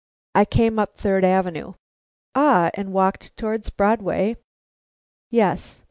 "I came up Third Avenue." "Ah! and walked towards Broadway?" "Yes."